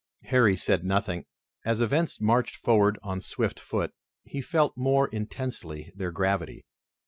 Harry said nothing. As events marched forward on swift foot, he felt more intensely their gravity.